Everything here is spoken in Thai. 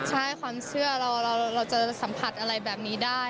ใช่ความเชื่อเราจะสัมผัสอะไรแบบนี้ได้